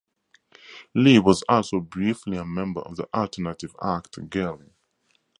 Lee was also briefly a member of the alternative act Gerling.